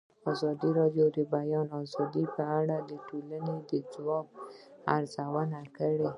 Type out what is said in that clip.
ازادي راډیو د د بیان آزادي په اړه د ټولنې د ځواب ارزونه کړې.